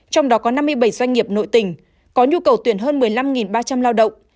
trong đó có năm mươi bảy doanh nghiệp nội tỉnh có nhu cầu tuyển hơn một mươi năm ba trăm linh lao động